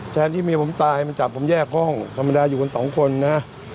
แทนที่เมียผมตายมันจับผมแยกห้องธรรมดาอยู่กันสองคนนะ